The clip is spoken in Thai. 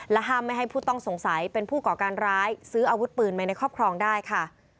ห้ามไม่ให้ผู้ต้องสงสัยเป็นผู้ก่อการร้ายซื้ออาวุธปืนไปในครอบครองได้ค่ะ